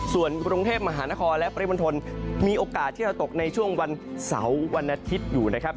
ส่วนกรุงเทพมหานครและปริมณฑลมีโอกาสที่จะตกในช่วงวันเสาร์วันอาทิตย์อยู่นะครับ